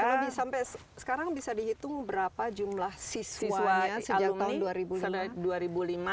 kalau sampai sekarang bisa dihitung berapa jumlah siswanya sejak tahun dua ribu lima